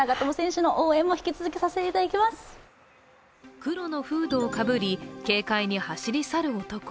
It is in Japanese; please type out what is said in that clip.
黒のフードをかぶり軽快に走り去る男。